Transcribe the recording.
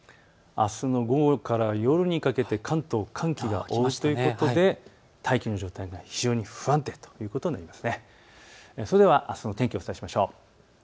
動かすとあすの午後から夜にかけて関東、寒気が覆うということで大気の状態が非常に不安定ということになります。